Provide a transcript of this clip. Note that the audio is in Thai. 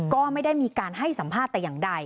ก็ไม่ได้มีการให้สัมภาษณ์แต่อย่างใด